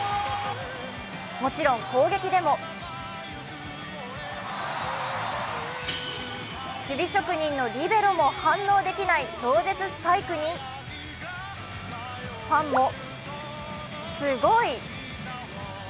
もちろん攻撃でも守備職人のリベロも反応できない超絶スパイクに、ファンも、すごい！